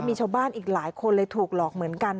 มีชาวบ้านอีกหลายคนเลยถูกหลอกเหมือนกัน